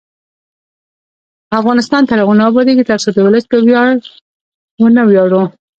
افغانستان تر هغو نه ابادیږي، ترڅو د ولس په ویاړ ونه ویاړو.